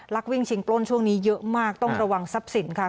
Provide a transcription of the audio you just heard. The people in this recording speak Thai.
วิ่งชิงปล้นช่วงนี้เยอะมากต้องระวังทรัพย์สินค่ะ